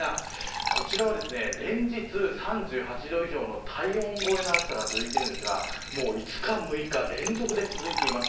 こちらは連日３８度以上の体温超えの暑さが続いていますが５日、６日連続で続いています。